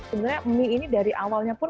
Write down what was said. sebenarnya mie ini dari awalnya pun